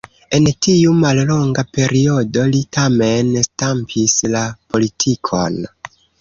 En tiu mallonga periodo li tamen stampis la politikon.